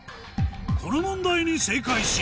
この問題に正解し